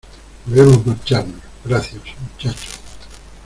¡ Debemos marchamos! ¡ gracias, muchachos !